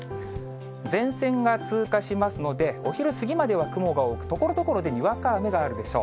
前線が通過しますので、お昼過ぎまでは雲が多く、ところどころでにわか雨があるでしょう。